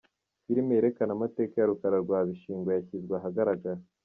Filimi yerekana amateka ya Rukara rwa Bishingwe yashyizwe ahagaragara